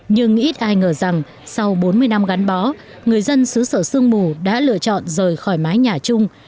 nhưng ít ai ngờ rằng sau bốn mươi năm gắn bó người dân xứ sở sương mù đã lựa chọn rời khỏi mái nhà chung